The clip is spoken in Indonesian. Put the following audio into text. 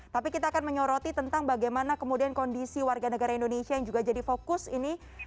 tapi kita akan menyoroti tentang bagaimana kemudian kondisi warga negara indonesia yang juga jadi fokus ini